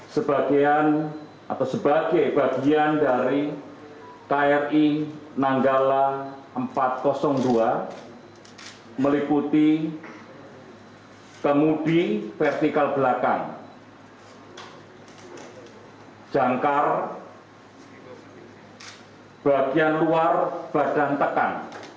sebagai bagian dari kri nanggala empat ratus dua melikuti kemudian vertikal belakang jangkar bagian luar badan tekan